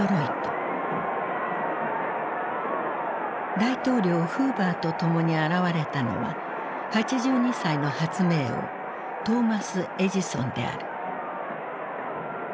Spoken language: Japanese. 大統領フーバーと共に現れたのは８２歳の発明王トーマス・エジソンである。